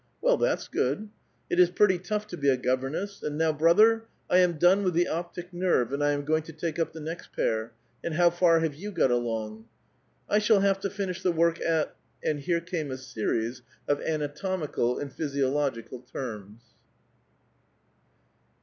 " Well, that's good. It is pretty tough to be a governess. And now. brother, I am done with the optic nerve and I ain going to take up the next pair, and how far have you got along ?"'* I shall have to finish the work at —." And here came a series of anatomical and physiological terms.